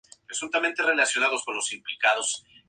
En noviembre del mismo año terminó con su blog "Apuntes Autistas".